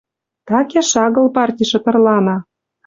Такеш агыл парти шытырлана.